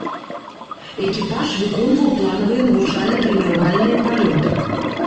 Экіпаж выконваў планавыя навучальна-трэніравальныя палёты.